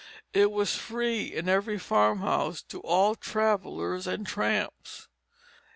It was free in every farmhouse to all travellers and tramps.